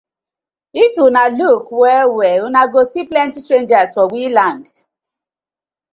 If una luuk well well uno go see plenty strangers for we land.